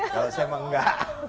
kalau saya emang enggak